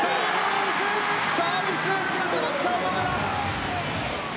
サービスエースが出ました小野寺。